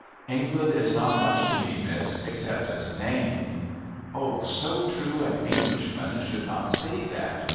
' England is not much to me. Miss, except as a name.' ' O, so true an Englishman should not say that